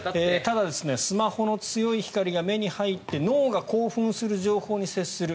ただ、スマホの強い光が目に入って脳が興奮する情報に接する。